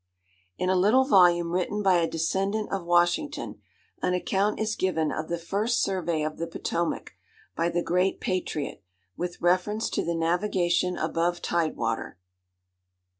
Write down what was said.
In a little volume written by a descendant of Washington, an account is given of the first survey of the Potomac, by the great patriot, with reference to the navigation above tide water.